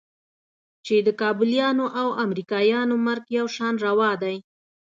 چې د کابليانو او امريکايانو مرګ يو شان روا دى.